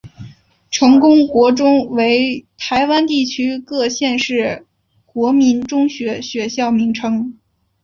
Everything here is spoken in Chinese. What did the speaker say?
成功国中为台湾地区各县市国民中学学校名称。